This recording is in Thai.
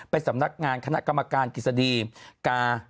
ไปสำนักงานคณะกรรมการกิจดีการ